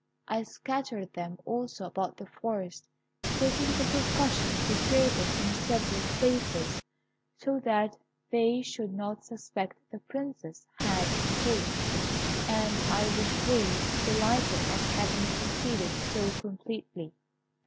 I scattered them also about the forest, taking the precaution to tear them in several places, so that they should not suspect the Princess had escaped; and I withdrew, delighted at having succeeded so completely.